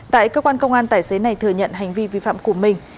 tại cơ quan công an tài xế này thừa nhận hành vi vi phạm của mình